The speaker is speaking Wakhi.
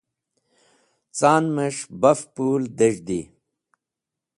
Can’mes̃h baf pũl dez̃hdi.